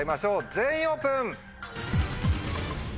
全員オープン！